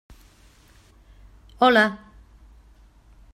Hola!